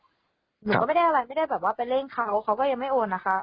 หนูก็ไม่ได้อะไรไม่ได้แบบว่าไปเร่งเขาเขาก็ยังไม่โอนนะคะ